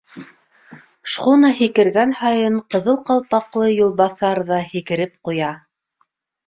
Шхуна һикергән һайын ҡыҙыл ҡалпаҡлы юлбаҫар ҙа һикереп ҡуя.